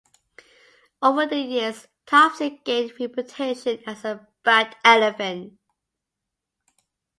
Over the years, Topsy gained a reputations as a "bad" elephant.